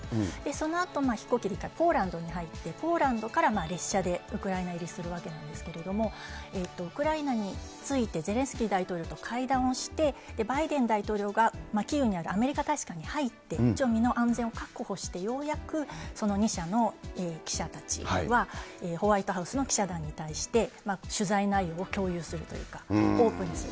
そのあと、飛行機で、ポーランドに入って、ポーランドから列車でウクライナ入りするわけなんですけれども、ウクライナに着いて、ゼレンスキー大統領と会談をして、バイデン大統領が、キーウにあるアメリカ大使館に入って、一応身の安全を確保してようやく、２社の記者たちは、ホワイトハウスの記者団に対して、取材内容を共有するというか、オープンにする。